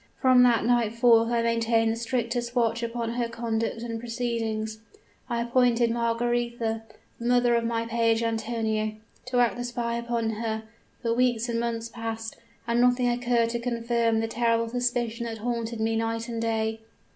From that night forth I maintained the strictest watch upon her conduct and proceedings. I appointed Margaretha, the mother of my page Antonio, to act the spy upon her; but weeks and months passed, and nothing occurred to confirm the terrible suspicion that haunted me night and day.